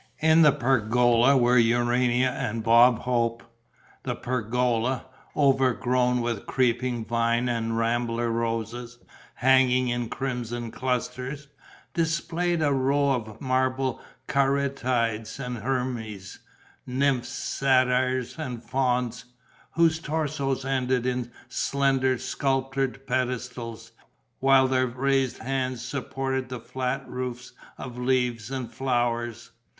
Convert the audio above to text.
In the pergola were Urania and Bob Hope. The pergola, overgrown with creeping vine and rambler roses hanging in crimson clusters, displayed a row of marble caryatides and hermes nymphs, satyrs and fauns whose torsos ended in slender, sculptured pedestals, while their raised hands supported the flat roof of leaves and flowers.